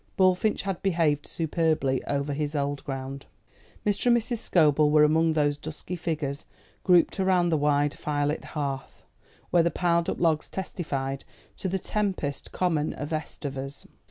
Bullfinch had behaved superbly over his old ground. Mr. and Mrs. Scobel were among those dusky figures grouped around the wide firelit hearth, where the piled up logs testified to the Tempest common of estovers.